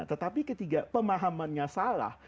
tetapi ketika pemahamannya salah